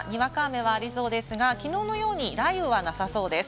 北陸や関東の山沿いではにわか雨がありそうですが、きのうのように雷雨はなさそうです。